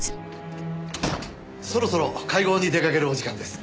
そろそろ会合に出かけるお時間です。